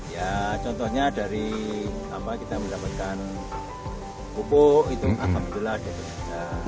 ya contohnya dari kita mendapatkan pupuk itu alhamdulillah ada